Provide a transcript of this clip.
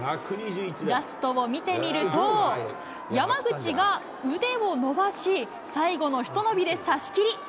ラストを見てみると、山口が腕を伸ばし、最後の一伸びで差しきり。